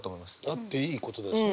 あっていいことだしね。